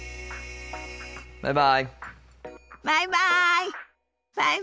バイバイ。